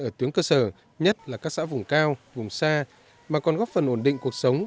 ở tuyến cơ sở nhất là các xã vùng cao vùng xa mà còn góp phần ổn định cuộc sống